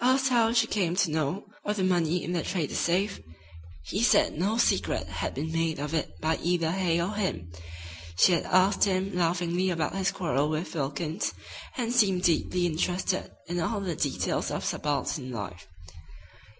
Asked how she came to know of the money in the trader's safe, he said no secret had been made of it by either Hay or him. She had asked him laughingly about his quarrel with Wilkins, and seemed deeply interested in all the details of subaltern life.